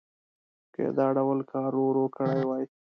که یې دا ډول کار ورو ورو کړی وای.